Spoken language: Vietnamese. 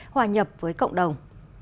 hòa nhập với cộng đồng